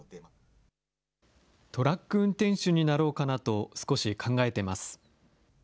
トラック運転手になろうかなと少し考えてます。